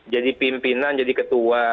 jadi pimpinan jadi ketua